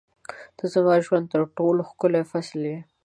• ته زما د ژوند تر ټولو ښکلی فصل یې.